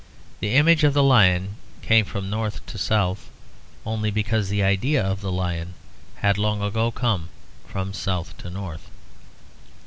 The image of the lion came from north to south, only because the idea of the lion had long ago come from south to north.